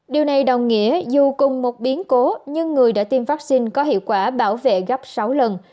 điều này đồng nghĩa dù cùng một biến cố nhưng người đã tiêm vaccine có hiệu quả bảo vệ gấp sáu lần